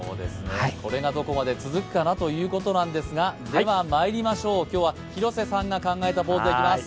これがどこまで続くかなということなんですが、まいりましょう、今日は広瀬さんが考えたポーズいきます。